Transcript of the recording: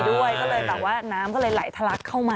ด้วยก็เลยแบบว่าน้ำก็เลยไหลทะลักเข้ามา